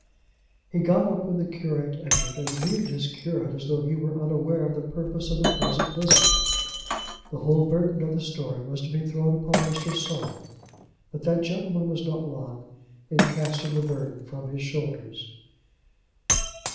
He got up when the curate entered, and greeted his curate, as though he were unaware of the purpose of the present visit. The whole burden of the story was to be thrown upon Mr. Saul. But that gentleman was not long in casting the burden from his shoulders.